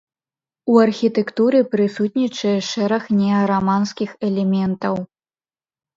У архітэктуры прысутнічае шэраг неараманскіх элементаў.